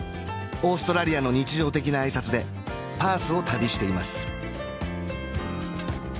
オーストラリアの日常的な挨拶でパースを旅しています